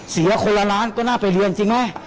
เสียละคนละล้านก็น่าไปเรียนจริงไหม